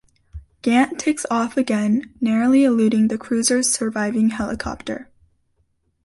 Gant takes off again, narrowly eluding the cruiser's surviving helicopter.